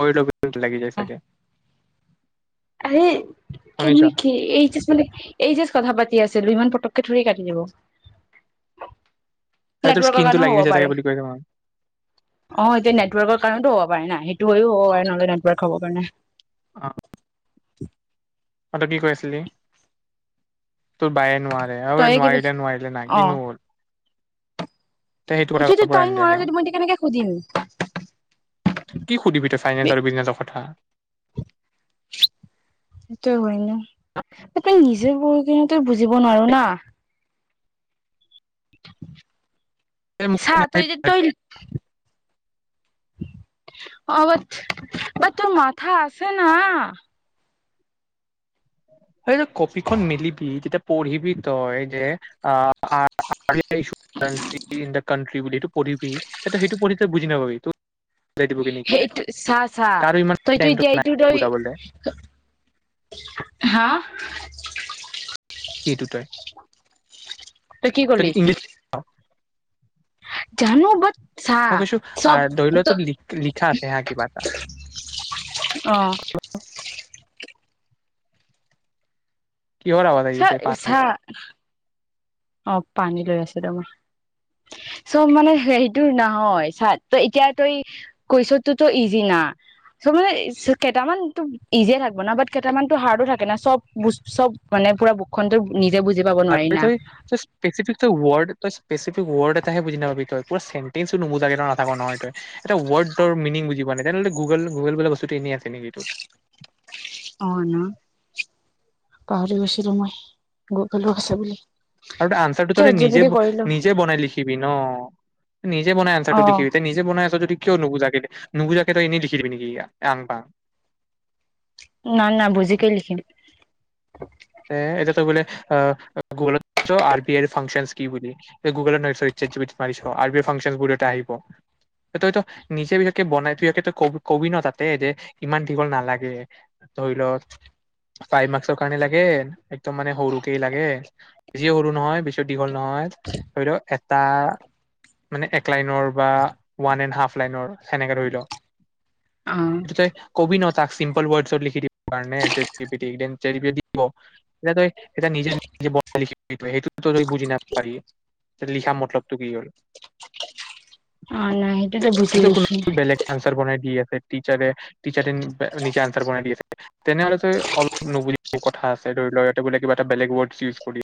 পৰিলে লাগি যায় ছাগে আহিলি কেনেকে কি এই যে মানে এই যাচ কথা পাতি আছিলো ইমান পথকে থৰে কাটি দিব আৰু তোৰ নেটৱৰ্কৰ স্কিনটো কাৰণেও লাগি হ'ব গৈছে চাগে পাৰে বুলি অ কৈছে মই এতিয়া নেটৱৰ্কৰ কাৰণতো হ'ব [unintelligible] অ ত অ তই কৈ আছিলি তোৰ বায়ে নোৱাৰে হব তইয়ে কিবা নোৱাৰিলে নোৱাৰিলে নাই কিনো হ'ল। তই সেইটো কথা সেইটোতো ক'ব পৰা তাই নিদিয়া নোৱাৰে আকৌ যদি মই কেনেকে কদিন কি ক'ত সুধিবি তই ফাইনেন্স আৰু বিজনেছৰ কথা যিবোৰ কিনু তই বুজিব নোৱাৰ না [unintelligible] এই মোক চাহ তই যে তই। অলপ বাত টোৰ মাথা আছে না হয় কপিখন মেলিবি তেতিয়া পঢ়িবি তই যে আ [unintelligible] পঢ়িবি সেইটো পৰীক্ষাত বুজি নাপাবি। বুজাই দিবগে নেকি সেইটো চাহ চাহ কাৰো ইমান তইতো টাইমটো এতিয়া নাই এইটো তই বুজাবলে হা [unintelligible] সেইটোৱে তই কি কলি। জানো বচ চা মই কৈছো আ ধৰি লোৱা চবটো। তোৰ লিখা আছে হা কিবা এটা অ কি আৱজা চা আহিছে তাত চা অ পানী লৈ আছ তোমাৰ চব মানে হেটো নহয় চা এতিয়া তই কৈছো ত ইজি না চা মানে কেইটামানত ইজিয়ে থাকিব ন বাট কেইটামানতো হাৰ্ডো থাকে না চব চব মানে পুৰা বুকখন ত নিজেুজ আৰু যদি কিবা এটা। স্পেচিফিক তই ৱৰ্ড তই স্পেচিফিক ৱৰ্ড এটাহে বুজি নাপাবি তই পুৰা চেণ্টেঞ্চো নুবুজাকে ত নাথাক নহয় তই এটা ৱৰ্ডৰ মিনিং বুজ প নাই তেনেহ'লে গুগল গুগুল বোলা বস্তুটো এনেই আছে নেকি এইটো। অ ন পাহৰি গৈছিলো মই গৈ গলো আছে বুলি। আৰু আনচাৰটো তহঁতে চেট জি পি নিজে টি কৰিলো নিজে বনাই লিখিবি ন। নিজে বনাই অ আনছাৰটো দেখিবিতি নিজে বনাই আছ যদি। কিয় নুবুজাকে, নুবুজাকে তই এনেই লিখি দিবি নেকি আং বাং। না না বুজিকেই লিখি দিম। গুগুলত তই চাৰ্জ কৰিছ ফাংচনচ কি বুলি গুগলত মিছ বিইৰন এ আহ তই নিজে বনাই ত কবি ন তাতে এ যে ইমান দীঘল নালাগে বুলি। এ একদম মানে সৰুকি লাগে, বেছি সৰু নহয় পিছত দীঘল নহয়। ধৰি ল এটা মানে এক লাইনৰ বা ওৱান এ হাফ লাইনৰ সেনেকে ধৰি লও, অ তই কবি ন তাক চিম্পল ৱৰ্ডছত লিখি দিব কাৰণে ছেট জিপিতিত এতিয়া তই নিজে লিখি সেইটো তই বুজি নাপালি লিখা মতলবটো কি হ'ল? সেইটোয়েতো বুজি যিটো কোনো লিখিম। বেলেগ আনচাৰ বনাই দি আছে টিচাৰে, টিচাৰে নিজে আনচাৰ বনাই দি আছে তেনেহ'লে তই অলপ নুবুজিবি। কথা আছে ধৰি লও, ইতে বোলে কিবা এটা বেলেগ ৱৰ্ড চিৰ্জ কৰি।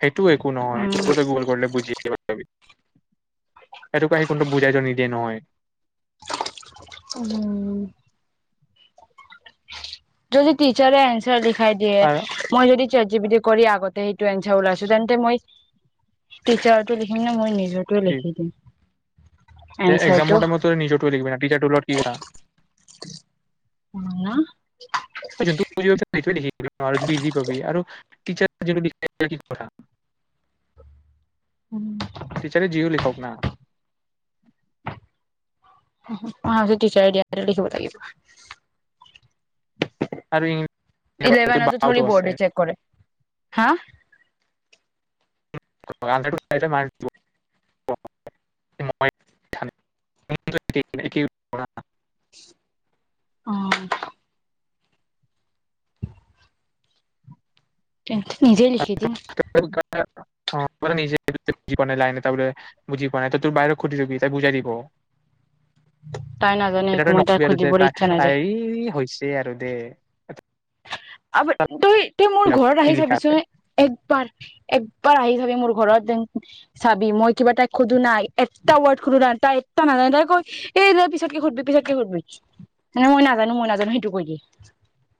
সেইটোও একো অ নহয় সটো গল কৰিলে বুজি পায়। সেইটো ক আহি কোনটো বুজাই য নিদিয়ে নহয়। উম যদি টিচাৰে এনছাৰ দিয়ে। দাই আৰু দিয়ে মই যদি। জিপিটি কৰি আগতে সেইটো এনছাৰ ওলাইছো তেন্তে মই টিচাৰটো লিখিম নে মই নি। এইটোৱেই কি নেকি তে এক্সামৰ এনছাৰটো? টাইমত তই নিজৰটো লিখিবি না টিচাৰটোৰ লগত কি কথা হাআ পইচাটো [unintelligible] দি থৈ নেকি? আৰু যদি ইজি পাবি আৰু টিচাৰ যে নো কি কথা। উম। থক না। উ আজি টিচাৰে দিয়াটো লিখিব লাগিব। আৰু ইংলিছ ইলেভনটো বাওটো থৰি আছে ব'ৰ্ডে চেক কৰে হা। বৱালেত টো তাতে মাৰি দিব। [inaudible] অহ। এনে নিজে লিখি দিম। অহ মইটো নিজে বুজি পোৱাই নাই লাইন এটা, বুজি পোৱা নাই তই তোৰ বায়েৰেক সুধি লবি তাই বুজাই দিব। তাই নাজানে একো এতিয়া মই তাক নকবি আৰু যে সুধিবলৈ তাই ইচ্ছা নাযায় তাই হৈছে আৰু দে। আবে তই। তই মোৰ ঘৰত কি আহি লিখা আছে চাবিচোন একবাৰ এক। একবাৰ আহি চাবি মোৰ ঘৰত চাবি মই কিবা তাইক সোধো নাই, এটা ৱৰ্ড সোধো নাই, তাই এটা নাজানো তাই কৈ এই ন পিছতকে সোধবি পিছতকে সোধবি মানে মই নাজানো মই নাজানো সেইটো কৈ দিয়ে।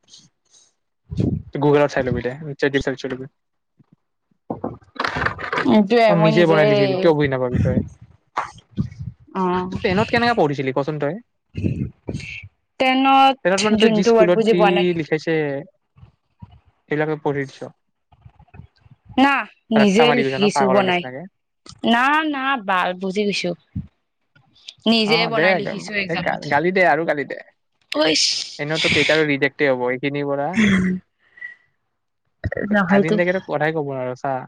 [inaudible] গুগলত চাই ল'বি দে [unintelligible] [unintelligible] আৰু নিজে বনাই লিখিবি কিয় বুজি নাপাবি তই। অ টেনত কেনেকা পঢ়িছিলি কচোন তই টেনত মানে, তই যি যোনটো ৱৰ্ড স্কুলত বুজি যি পোৱা নাই লিখাইছে। [unintelligible] লাকে পঢ়িছো। না নিজে মাৰি গৈছ ন লিখিছো। বুজি পাগলৰ পোৱা নাই। নিচিনাকে ‌না না বাল বুজি গৈছো নিজে অহ দে বনাই লিখিছো এক্জামত গালি দে আৰু গালি দে ইচ এনেওতো কেইটাৰৰিডেক্ট হব এইখিনিৰ পৰা। নহয় দে [unintelligible] কথাই কব ন আৰু অহ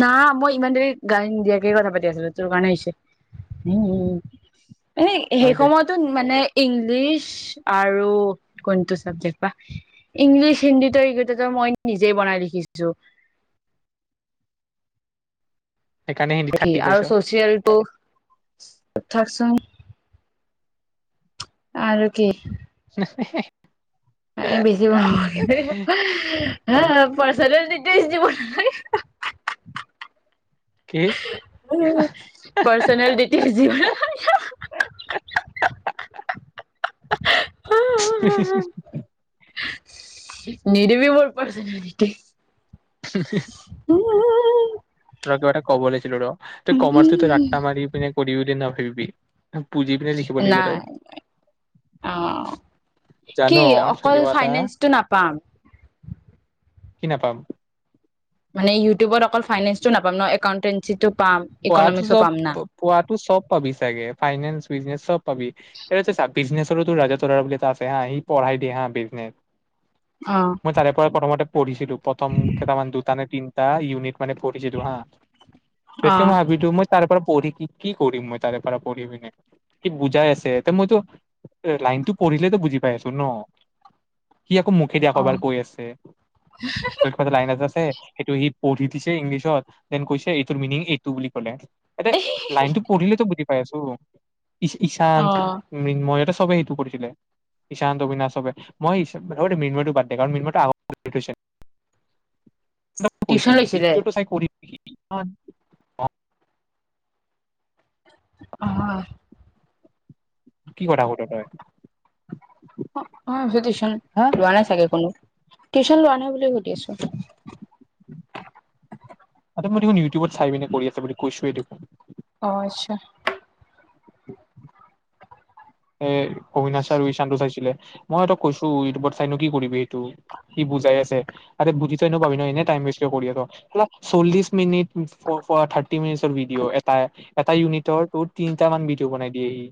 নাহ, মই ইমান দেৰি গালি নিদিয়াকে কথা পাতি আছিলো। তোৰ কাৰণে হৈছে উহ উহ এই হয় সেই দে সময়তো মানে, ইংলিছ আৰু কোনটো চাবজেক্ট বা ইংলিছ হিন্দীটো এইকেইটা মই নিজেই বনাই লিখিছো সেইকাৰণে হিন্দীত কি থাৰ্টি পাইছ আৰু চচিয়েলটো থাকচোন, আৰু কি হেহ হেহ বেছি পাৰ উম, [unintelligible] পাইচাটো বিছ দিব নালাগে [unintelligible] কি পাৰ্চনেল ডিটি যিবৰা হা‌হ হাহ হাহ হা হা হা নিদমি মোৰ পাৰছেনেল ডিটে হূ হূ ৰহ কিবা এটা ক'ব উলাইছিলো ৰহ তই কমাৰছত ৰাত্তা মাৰি পিনে কৰি দিও ন ফিৰ ভি নাই, অহ জান কি তই অকল কিবা এটা ফাইনেন্সটো নাপাম। কি‌ নাপাম মানে ইউটুবত অকল ফাইনেন্সটো নেপাওঁ ন একাউণ্টটৈন্ত পঢ়াতো চব পাতো চব পাবি চাগে ফাইনেন্স বিজনেচ চব পাবি এটা বিজনেছৰো ৰাজা তলৰা বুলিল এটা আছে হা সি পঢ়াই দিয়ে হা বিজনেছ অ' মই তাৰে পৰা প্ৰথমতে পঢ়িছিলো প্ৰথম কেইটামান দুটানে তিন টা ইউনিট মানে পঢ়িছে ত হা ভিত কেনা অ' হয় মই ভিটো মই তাৰ পৰা পঢ়ি কি কি কৰিম মই তাৰে পৰা পঢ়িমিনে কি বুজাই আছে। এতিয়া মইতো লাইনতটো পঢ়িলেতো বুজি পাই আছো ন সি আকৌ মুখেদি আকৌ এবাৰ অ' কৈ আছে ত কিব লাইনত আছে। সটো সি পঢ়ি দিছে ইংলিছত দেন কৈছে এইটোৰ মিনিং এইটো বুলি কলে এয়া লাইনতো পঢ়িলেতো বুজি পাই আছো। ই ইঈশান্ত অ' মিনময় বে সেইটো কৰিছিলে ইঈশ্ত অবিনাশ সবে মই মিনময়টো বাদ দে কাৰণ মিনময় থৈছিল টিউচন কৈছো লৈছিলে চাই কৰি অ', অ', কি কথা ক তই? অ', সতীশ, হা ৰোৱা নাই চাকে কোনো। টিউশন লোৱা নাই বুলি সুধি আছো। আৰু মই দেখোন ইউটিউবত চাই পিনে কৰি আছে বুলি কৈছোৱে দেখোন। অ', আচ্ছা, হয়। অবিনাশা আৰু ঈশান্তটো চাইছিলে। মইহঁত কৈছ ইটউব চাইো কি কৰিবি এই? তটো সি বুজাই আছে। আ, বুজি পাবি ন এনে টাইম ৱেষ্ট কৰি চল্লিশ মিনিট থ ৰ ভিডিঅ' এটাই এটা ইউনিটৰ তোৰ তিনিটা মান ভডিঅ' বনাই দিয়েহি।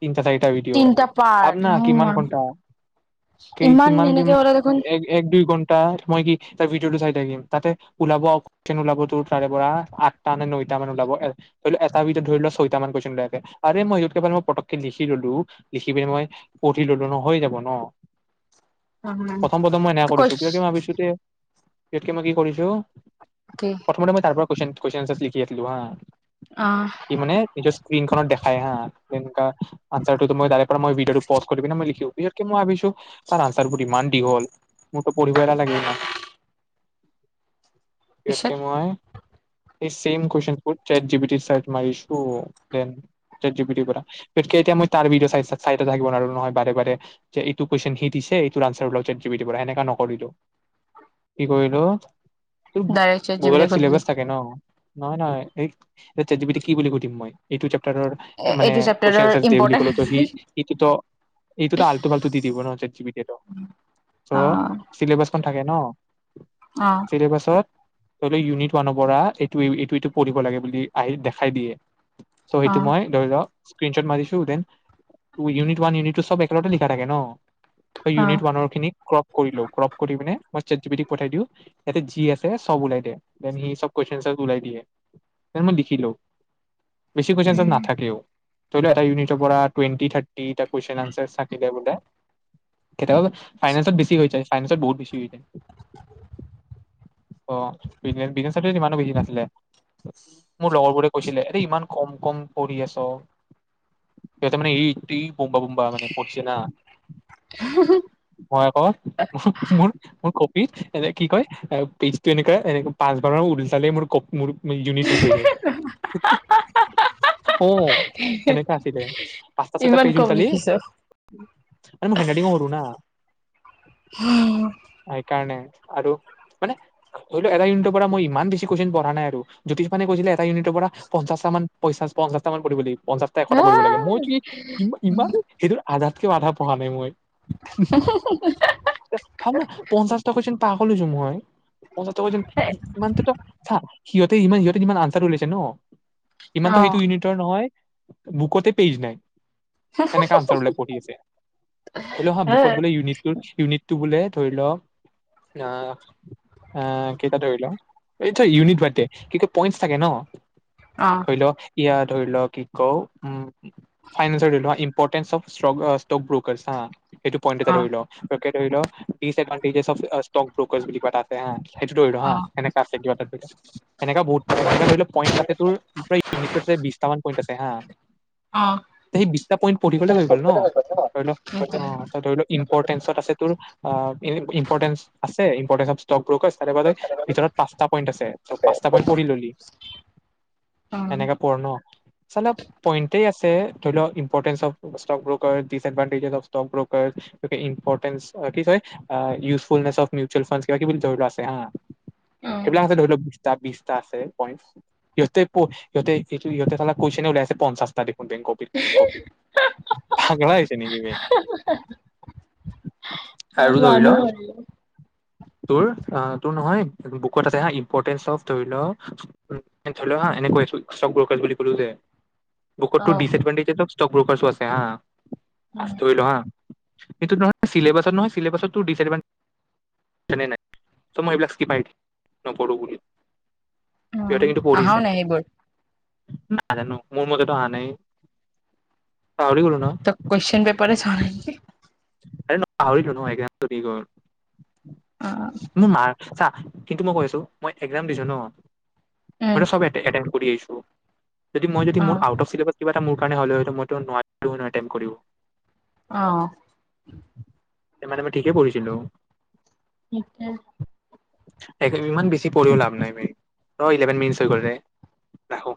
তিনিটা, চাৰিটা ভিডিঅ' তিনটা ভাব পাৰ্ট ন কিমান ঘণ্টা? কি ইমান কিমান কি সেনেকে হ'লে দেখোন এক দুই ঘণ্টা মই কি তাৰ ভিডিঅটো চাই থাকিম, তাতে ওলাব অকশচন ওলাব ত তাৰে পৰা আঠটা নে নটা মান ওলাব ধৰি ল এটা ভিতৰত ধৰি লোৱা ছয়টা মান কনেৰে মই একবাৰে মই পতকে লিখি ললো লিখি পিনে মই পঢ়ি ললো ন হৈ যাব ন। প্ৰথম-প্ৰথম মই এনে কৰিছো কৈছ কিয় কি ভাবিছো তে ইতকে মই কি কৰিছো কি প্ৰথমতে মই তাৰ পৰা কৈছিল কন আছ লিখিছিলো হা। অ ই মানে নিজৰ স্ক্ৰিনখনত দেখায় হা। আনচাৰটো মই তাৰে পৰা মই ভিডিঅটো পজ কৰিকেনে মই লিখো মই ভিছো তাৰ আনচাৰ পু ম কি হল মোৰতো পঢ়িব‌ই নালাগে ইমান। ইয়াতকে পিছত মই', এই ছেম কোৱেচনবোৰ ছেট জিপিটিত ছাৰ্চ মাৰিছোঁ, ডেন ছেট জিপিটিৰ পৰা, এই কেইটা ম‌ই তাৰ ভিডিঅ চাই চাই ত থাকিব নোৱাৰো নহয় বাৰে-বাৰে যে এইটো কুৱেশন সি দিছে এইটো আনচাৰ ওলাই ছেট যি পি টিৰ পৰা এনেকা নকৰিলোঁ। কি কৰিলোঁ? দাইৰেক চেট জি পি টিক সুধিলো অ', নহয়-নহয় এই, এ চেট জি পি টিক কি বুলি সুধিম মই? এইটো চেপ্ প্টাৰৰ এ মানে এইটো কুৱেচন চেপ্টাৰৰ এনচাৰছ দে বুলি ইম্পৰ্টেণ্ট ক'লেও সি সিতোটো, সিতোটো আল্টো-ফাল্টু দি দিব ন ছেট যি পি টিয়ে তো। তো অ চিলেবাছখন থাকে ন। অ চিলেবাছত চবেই ইউনিট। ৱানৰ পৰা এইটো-এইটো এইটো পঢ়িব লাগে বুলি আহি দেখাই দিয়ে। চহী টো মই অ ধৰি ল' স্ক্ৰিনশট মাৰিছো দেন ইউনিট ৱান ইউনিটু টো চব একেল লিখা থাকে ন। অ ইউনিট ৱানৰ খিনি ক্ৰপ কৰিলো ক্ৰপ কৰি পিনে মই ছেট জিপিটিক পঠাই দিওঁ, ইয়াতে যি আছে চব ওলাই দিয়ে। দেন ই এই চব কুয়েশ্যন এনশ্বাৰ বোৰ ওলাই দিয়ে, দেন মই লিখি লও। বেছিকৈ কুয়েশ্যন এনশ্বাৰ নাথাকেও। ধৰি লোৱা এটা ইউনিতৰ পৰা টুৱেন্টি থাৰ্টি কোয়েশ্যন এনশ্বাৰ থাকিলে বোলে, কেতিয়াবা ফাইনেনচত বেছি হৈ যায় ফাইনেঞ্চত বহুত বেছি হৈ যায়। অ। কিছুমান চাবজেক্ট ইমানো বিজি নাছিলে। মোৰ লগৰ বোৰে কৈছিলে, এ ইমান কম কম পঢ়ি আছ। সিহতে মানে এইটো বোম্বা বোম্বা মানে পঢ়িছে না। মই আক' মোৰ, মোৰ ক কি কয় পেইজটো এনেকে এনেক পাঁচবাৰ মান উলালে মোৰ ক মোৰ মোৰ ইউনিট শেষ হৈ যায়। অ, ' সেনেকা আছিলে, পাচটা ছয়টা ইমান পেজ কম উল্টালেই, লিখিছো আৰু মোৰ হেণ্ডৰাইটিঙো সৰু না। হম। সেইকাৰণে আৰু মানে এটা ইউনিটৰ পৰা মই ইমান বেছি কুৱেশচন পঢা নাই আৰু জ্যোতিষ্মানে কৈছিলে এটা ইউনিটৰ পৰা পঞ্চাশটা মান পঞ্চাশটা মান পঢ়িব লাগিব পঞ্চাশটা এশটা অ লাগে মই ইমান সেইটোৰ আধাতকে আধা পঢ়া নাই মই ভাল ন পঞ্চাশটা কুয়েচন পাগল গৈছোঁ মই। পঞ্চাছটা কোৱেচন ইমান সিহঁতে ইমান সিহঁতে ইমান আনচাৰ ওলাইছে ন' ইমানতো অ সেইটো ইউনিটৰ নহয়, বুকতে পেইজ নাই সেনেকা আনচাৰ ওলাই পঢ়ি আছে। ধৰি ল হা বুকত অ বোলে ইউনিট টোত ইউনিট টো বোলে ধৰি লওক আহ কেইটা ধৰি ল, এইটো ইউনিট বাদ দে কিন্তু পইন্টছ্ থাকে ন' অ ধৰি ল ইয়াৰ ধৰি ল কি কওঁ, উম। ফাইনেঞ্চৰ কিছুমান ইম্পৰ্টেন্স অফ ষ্ট্ৰোক ব্ৰোকাৰচ হা, সেইটো প‌ইণ্ট এটা ধৰি ল, অ আৰু এনেকে ধৰি ল ডিছএডভাণ্টেজ অফ স্টক ব্ৰকাৰ্চ বুলি কিবা এটা আছে হা, সেইটো ধৰি ল হা। হেনেকা আছে কিবা এটা ধৰি ল। হেনেকা বহুত, হেনেকা ধৰি ল প‌ইন্টছ আছে তোৰ, প্ৰায় ইউনিট টোতে বিশ মান পইন্ট আছে হা। সেই বিশ টা পইণ্ট পঢ়িবলে হৈ ন গ'ল [unintelligible] কছে ধৰি লওক ন অ ত ধৰি ইম্পটেঞ্চত আছে তোৰ, ইম্পৰ্টেন্স আছে, ইম্পৰ্টেন্স অফ স্টক ব্ৰকাৰছ তাৰে মানে ভিতৰত পাঁচটা পইণ্ট আছে, ত পাঁচটা পঢ়ি ললি, এনেকে পঢ় ন, চালা পইণ্টেই আছে ইম্পৰ্টেন্স অফ ট্ৰক brokers, disadvantage of stock brokers, এইটো কি ইম্পৰ্টেঞ্চ আৰু কি কয়, আ ইউজফুলনেছ অফ মিউচুৱেল ফাণ্ডছ কিবা বুলি ধৰি ল আছে হা সেইবিলাক আছে ধৰি লোৱা বিশটা বিশটা আছে পইট, সিহঁতে সিহঁতে চালা কুৱেচন উলাই আছে পঞ্চাশটা দেখোন বে কপিৰ কপি পাগলা আছে নেকি বে। চ ন হয় [unintelligible] তোৰ, তোৰ নহয় বুকত আছে হা ইমপৰ্তেন্স অফ ধৰিল ধৰিল হা এনে কৈ আছোঁ চক ব্ৰকাৰ্ছ বুলি কলো যে বুকত অ তোৰ দিছএডভাণ্টেজ অফ ছক ব্ৰকাৰছও আছে হা ধৰি ল হা, চিলেবাছত নহৈ চিলেবছত তুৰ ডিছএডভান্টেজ এনে নায় চ মই এইবিলাক ক্ৰিপ মাৰি দিম নপঢ়ো বুলি সিহঁতে কিন্তু পঢ়িছে আহাও নাই সেইবোৰ। নাজানো মোৰ মতেতো অহা নাই। পাহৰি গ'লো ন ত কুৱেশ্চন পেপাৰ চোৱা নাই ন হে ন পাহৰিলোঁ নো একজাম দি হৈ। অ মাৰ্ক্স চা। কিন্তু মই কৈ আছো মই একজাম দিছো ন উম মইটো চব এতেন কৰি আহিছো। যদি মই যদি মোৰ অ', আউট অফ চেলিভাৰছ কিবা মোৰ কাৰণে হ'লেও মইটো নোৱাৰিলে ন এতেন কৰিব। অ' মানে মই ঠিকেই পঢ়িছিলো? শিকে ইমান বেছি পঢ়িও লাভ নাই মেইন ইলেভেন মিনিটচ হৈ গল ৰে ৰাখোঁ।